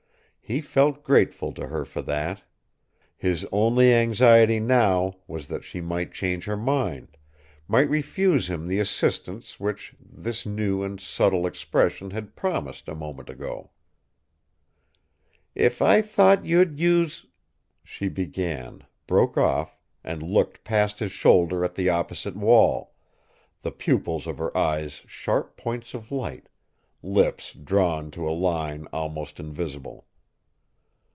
He felt grateful to her for that. His only anxiety now was that she might change her mind, might refuse him the assistance which that new and subtle expression had promised a moment ago. "If I thought you'd use " she began, broke off, and looked past his shoulder at the opposite wall, the pupils of her eyes sharp points of light, lips drawn to a line almost invisible.